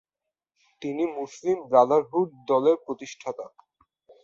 তিনি Muslim brotherhood দলের প্রতিষ্ঠাতা।